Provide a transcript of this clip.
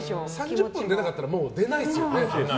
５時間出なかったらもう出ないですよね。